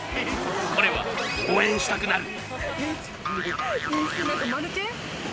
これは応援したくなる